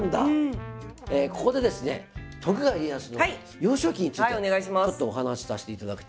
ここでですね徳川家康の幼少期についてちょっとお話しさせていただきたいと思います。